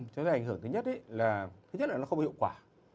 cái ảnh hưởng thứ nhất là nó không hiệu quả